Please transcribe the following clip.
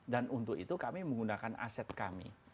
dan untuk itu kami menggunakan aset kami